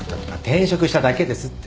転職しただけですって。